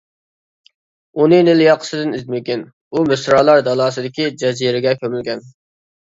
ئۇنى نىل ياقىسىدىن ئىزدىمىگىن، ئۇ مىسرالار دالاسىدىكى جەزىرىگە كۆمۈلگەن.